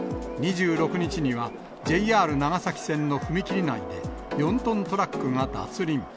２６日には、ＪＲ長崎線の踏切内で、４トントラックが脱輪。